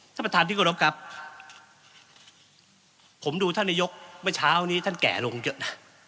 ท่านประธานที่กรบครับผมดูท่านนายกเมื่อเช้านี้ท่านแก่ลงเยอะนะ